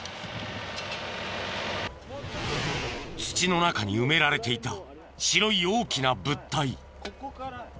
土の中に埋められていた白い大きな物体。